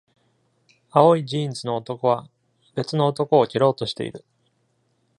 青いジーンズの男は別の男を蹴ろうとしている。